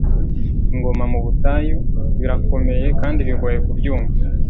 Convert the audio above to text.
ingoma mu butayu, birakomeye kandi bigoye kubyumva